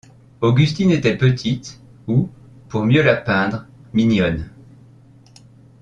Augustine était petite, ou, pour la mieux peindre, mignonne.